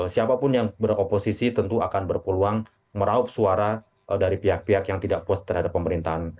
siapapun yang beroposisi tentu akan berpeluang meraup suara dari pihak pihak yang tidak puas terhadap pemerintahan